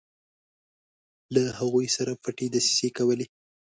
له هغوی سره پټې دسیسې کولې.